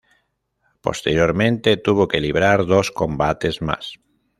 Posteriormente, tuvo que librar dos combates más.